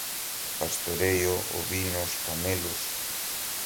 pastoreio, ovinos, camelos